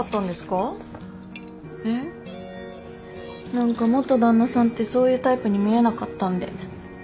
何か元旦那さんってそういうタイプに見えなかったんで。